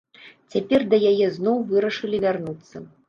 Цяпер да яе зноў вырашылі вярнуцца.